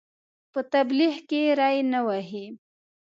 په تبلیغ کې ری ونه وهي.